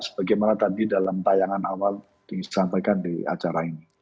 sebagaimana tadi dalam tayangan awal disampaikan di acara ini